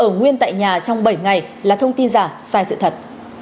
ở nguyên tại nhà trong bảy ngày là thông tin giả sai sự thật